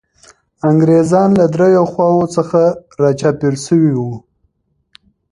انګریزان له دریو خواوو څخه را چاپېر سوي وو.